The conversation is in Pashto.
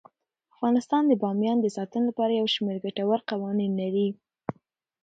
افغانستان د بامیان د ساتنې لپاره یو شمیر ګټور قوانین لري.